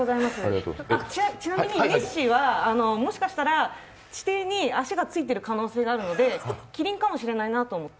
ちなみにネッシーは、もしかしたら地底に足がついている可能性があるのでキリンかもしれないなと思って。